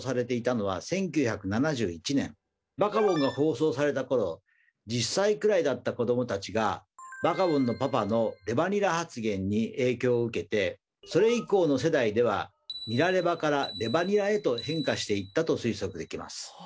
「バカボン」が放送された頃１０歳くらいだった子どもたちがバカボンのパパのレバニラ発言に影響を受けてそれ以降の世代では「ニラレバ」から「レバニラ」へと変化していったと推測できます。